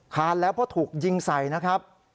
คานแล้วเพราะถูกยิงใส่นะครับ